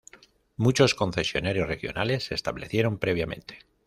Muchos concesionarios regionales se establecieron previamente.